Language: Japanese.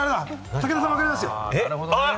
武田さん分かりますよ。